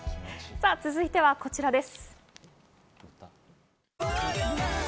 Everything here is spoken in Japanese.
続いてはこちらです。